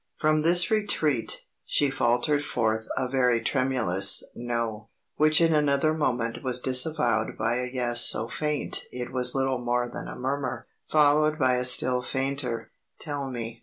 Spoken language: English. From this retreat, she faltered forth a very tremulous No, which in another moment was disavowed by a Yes so faint it was little more than a murmur, followed by a still fainter, Tell me.